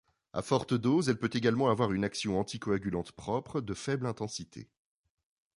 À forte dose, elle peut également avoir une action anticoagulante propre de faible intensité.